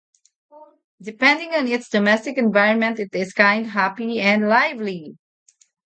Depending on its domestic environment, it is kind, happy and lively.